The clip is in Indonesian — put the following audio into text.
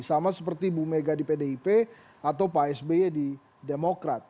sama seperti bu mega di pdip atau pak sby di demokrat